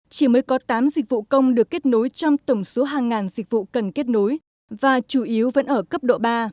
chỉ mới có tám dịch vụ công được kết nối trong tổng số hàng ngàn dịch vụ cần kết nối và chủ yếu vẫn ở cấp độ ba